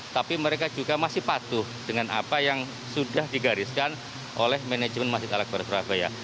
tapi mereka juga masih patuh dengan apa yang sudah digariskan oleh manajemen masjid al akbar surabaya